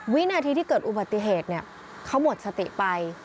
วินาทีที่เกิดอุบัติเหตุเนี่ยเขาหมดสติไป